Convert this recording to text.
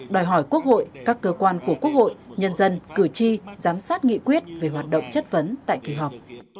đòi hỏi quốc hội các cơ quan của quốc hội nhân dân cử tri giám sát nghị quyết về hoạt động chất vấn tại kỳ họp